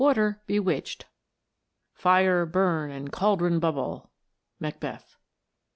iaftr " Fire burn, and cauldron bubble !" Macbeth.